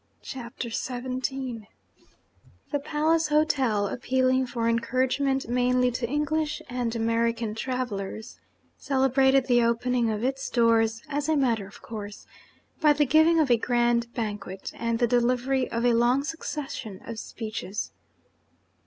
CHAPTER XVII The Palace Hotel, appealing for encouragement mainly to English and American travellers, celebrated the opening of its doors, as a matter of course, by the giving of a grand banquet, and the delivery of a long succession of speeches.